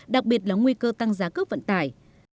đặc biệt là nguy cơ tăng giá cước vận tải